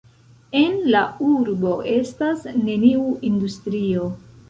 En la urbo estas neniu industrio.